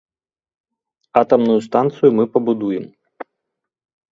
Атамную станцыю мы пабудуем.